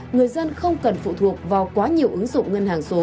người dân không cần phụ thuộc vào quá nhiều ứng dụng ngân hàng số